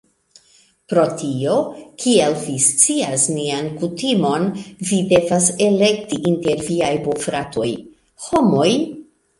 Pro tio, kiel vi scias nian kutimon vi devas elekti inter viaj bofratoj. Homoj?